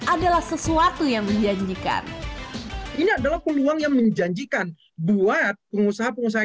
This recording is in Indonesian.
adalah sesuatu yang menjanjikan ini adalah peluang yang menjanjikan buat pengusaha pengusaha